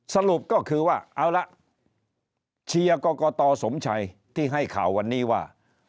สรุปก็คือว่าเอาละเชียร์กรกตสมชัยที่ให้ข่าววันนี้ว่า